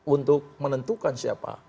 untuk menentukan siapa